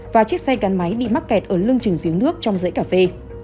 và chiếc xe gắn máy bị mắc kẹt ở lưng chừng giếng nước trong rẫy cà phê